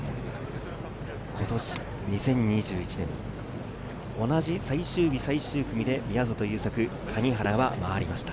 今年、２０２１年、同じ最終日、最終組で宮里優作、谷原は回りました。